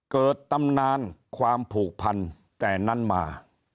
เกิดตำนานความผูกพันธุ์แต่นั้นมา